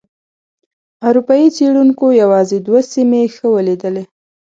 اروپایي څېړونکو یوازې دوه سیمې ښه ولیدلې.